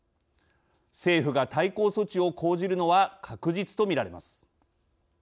政府が対抗措置を講じるのは確実とみられます。